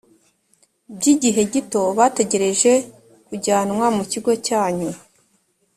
by igihe gito bategereje kujyanwa mu kigo cyanyu